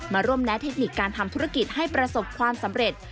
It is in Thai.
มาร่วมแนะเทคนิคการทำธุรกิจให้ประสบความสำเร็จ